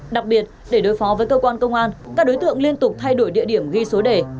đặc biệt để đối phó với cơ quan công an các đối tượng liên tục thay đổi địa điểm ghi số đề